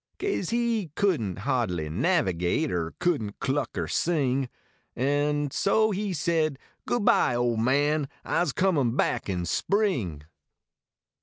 Kase he couldn t ha dly navigate, Kr couldn t chick er sing, Kn so he said :" Good bye ole num. ISL comin back in spring."